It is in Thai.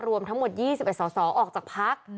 รวมทั้งหมด๒๑ส่อออกจากภักดิ์